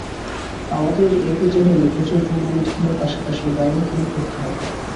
আমাদের এগোতে হলে প্রচুর টুর্নামেন্ট খেলার পাশাপাশি বাইরে ক্যাম্প করতে হবে।